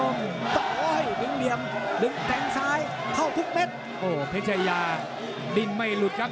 โอ้ยเดียงเดียมเดียงแทงซ้ายเข้าทุกเม็ดโอ้เพชยาดินไม่หลุดครับ